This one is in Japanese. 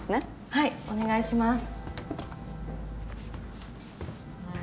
はいお願いします